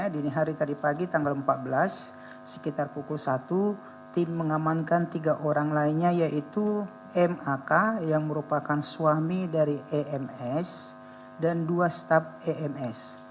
dini hari tadi pagi tanggal empat belas sekitar pukul satu tim mengamankan tiga orang lainnya yaitu mak yang merupakan suami dari ems dan dua staf ems